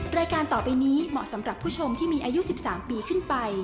รายการต่อไปนี้เหมาะสำหรับผู้ชมที่มีอายุ๑๓ปีขึ้นไป